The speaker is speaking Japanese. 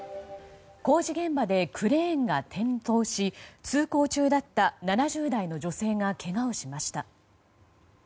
工事現場でクレーンが転倒し通行中だった７０代の女性がけがをしました。